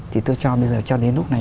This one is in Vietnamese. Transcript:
thì tôi cho đến lúc này